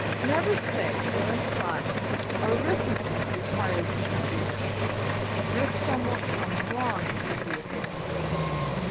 Never say, or imply, ``Arithmetic requires you to do this; your sum will come wrong if you do it differently.''